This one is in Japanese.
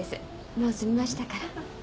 もう済みましたから。